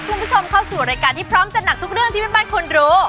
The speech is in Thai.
คุณผู้ชมเข้าสู่รายการที่พร้อมจัดหนักทุกเรื่องที่แม่บ้านควรรู้